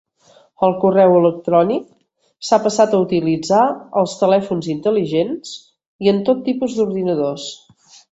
El correu electrònic s'ha passat a utilitzar als telèfons intel·ligents i en tot tipus d'ordinadors.